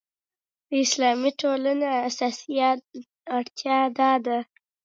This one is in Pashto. د اسلامي ټولنو اساسي اړتیا دا ده.